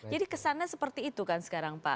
jadi kesannya seperti itu kan sekarang pak